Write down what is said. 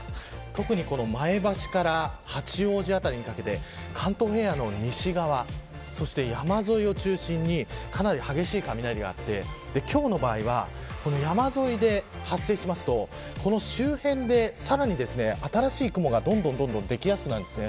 特に前橋から八王子辺りにかけて関東平野の西側そして山沿いを中心にかなり激しい雷があって今日の場合は山沿いで発生するとこの周辺で、さらに新しい雲がどんどん、できやすくなります。